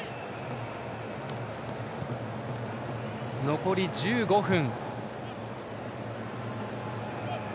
残り１５分。